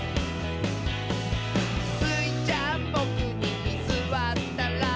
「スイちゃんボクにすわったら」